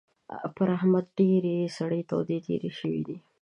پر احمد ډېرې سړې تودې تېرې شوې دي.